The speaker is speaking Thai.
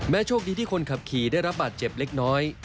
โชคดีที่คนขับขี่ได้รับบาดเจ็บเล็กน้อย